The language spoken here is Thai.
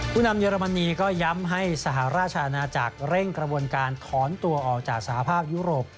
ผู้นำเยอรมนีก็ย้ำให้สหราชอาณาจักรเร่งกระบวนการถอนตัวออกจากสหภาพยุโรป